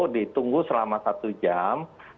ditunggu selama satu jam